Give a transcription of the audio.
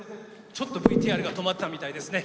ちょっとＶＴＲが止まったみたいですね。